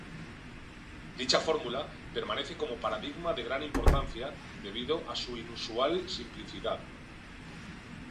Dicha fórmula permanece como paradigma de gran importancia debido a su inusual simplicidad.